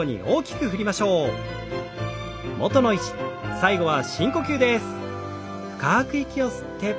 最後は深呼吸です。